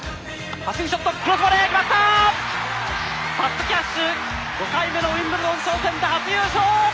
パット・キャッシュ、５回目のウィンブルドン挑戦で初優勝！